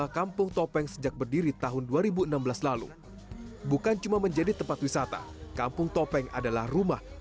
kampung topeng jawa timur